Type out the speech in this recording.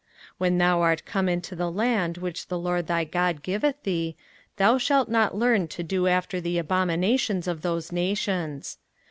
05:018:009 When thou art come into the land which the LORD thy God giveth thee, thou shalt not learn to do after the abominations of those nations.